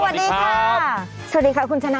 สวัสดีครับคุณชนะครับนะครับหุ่นนำคุณสุภัยสลุดที่ช้าฟัง